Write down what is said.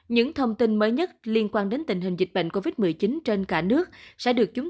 những thông tin mới nhất liên quan đến tình hình dịch bệnh covid một mươi chín trên cả nước sẽ được chúng